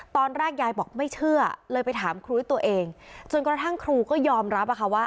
ตอนแรกยายบอกไม่เชื่อเลยไปถามคุ้ยตัวเองจนกระทั่งครูก็ยอมรับอะค่ะว่า